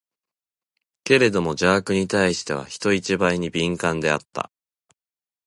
けれども邪悪に対しては、人一倍に敏感であった。